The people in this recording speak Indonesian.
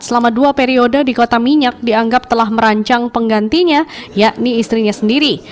selama dua periode di kota minyak dianggap telah merancang penggantinya yakni istrinya sendiri